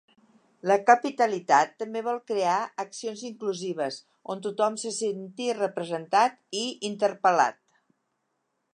La capitalitat també vol crear accions inclusives, on tothom se senti representat i interpel·lat.